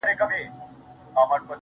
ما اورېدلي دې چي لمر هر گل ته رنگ ورکوي.